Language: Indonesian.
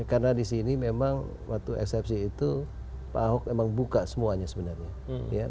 karena di sini memang waktu eksepsi itu pak ahok memang buka semuanya sebenarnya